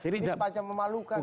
ini semacam memalukan gitu